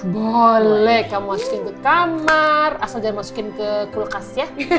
boleh kamu masukin ke kamar asal jangan masukin ke kulkas ya